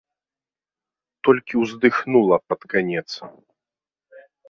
Толькі ўздыхнула пад канец.